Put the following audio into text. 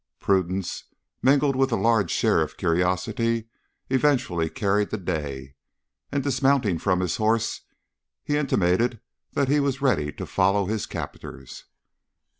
Prudence, mingled with a large share of curiosity, eventually carried the day, and dismounting from his horse, he intimated that he was ready to follow his captors.